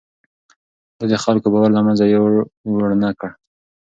ده د خلکو باور له منځه يووړ نه کړ.